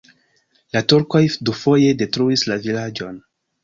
La turkoj dufoje detruis la vilaĝon.